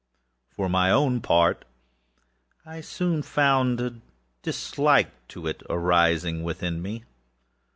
For my own part, I soon found a dislike to it arising within me.